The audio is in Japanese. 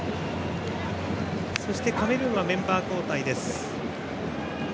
そしてカメルーンはメンバー交代。